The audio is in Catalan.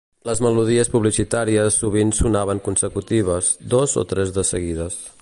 Les melodies publicitàries sovint sonaven consecutives, dos o tres de seguides.